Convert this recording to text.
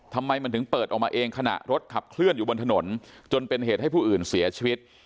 ทำไมมันถึงเปิดออกมาเองขณะรถขับเคลื่อนอยู่บนถนนจนเป็นเหตุให้ผู้อื่นเสียชีวิต